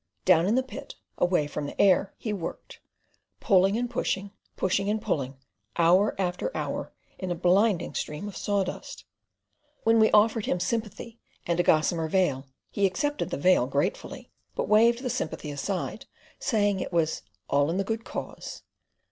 Down in the pit, away from the air, he worked; pulling and pushing, pushing and pulling, hour after hour, in a blinding stream of sawdust. When we offered him sympathy and a gossamer veil, he accepted the veil gratefully, but waved the sympathy aside, saying it was "all in the good cause."